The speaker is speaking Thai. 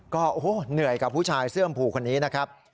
ก็เหนื่อยกับผู้ชายเสื้อสีสีสีสีสีค่ะ